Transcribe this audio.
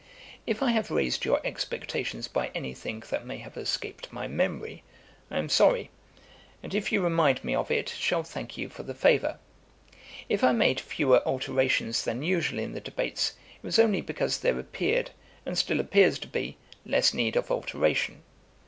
If I have raised your expectations by any thing that may have escaped my memory, I am sorry; and if you remind me of it, shall thank you for the favour. If I made fewer alterations than usual in the Debates, it was only because there appeared, and still appears to be, less need of alteration.